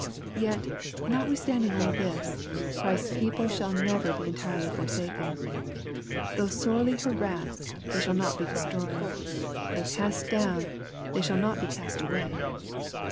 Yet, notwithstanding all this, Christ's people shall never be entirely forsaken. Though sorely har assed, they shall not be destroyed. Though cast down, they shall not be cast away.